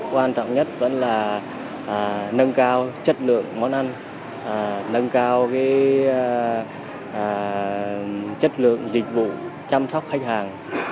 quan trọng nhất vẫn là nâng cao chất lượng món ăn nâng cao chất lượng dịch vụ chăm sóc khách hàng